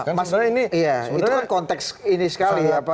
maksudnya ini konteks ini sekali ya pak